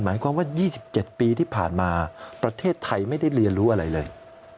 หมายความว่า๒๗ปีที่ผ่านมาประเทศไทยไม่ได้เรียนรู้อะไรเลย